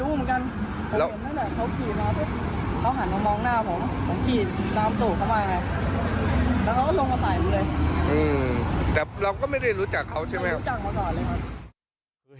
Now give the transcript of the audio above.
แต่เราก็ไม่ได้รู้จักเขาใช่ไหมรู้จักมาก่อนเลยครับ